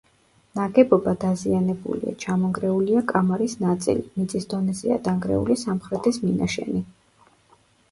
ნაგებობა დაზიანებულია, ჩამონგრეულია კამარის ნაწილი, მიწის დონეზეა დანგრეული სამხრეთის მინაშენი.